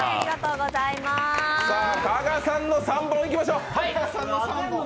加賀さんの３本いきましょう！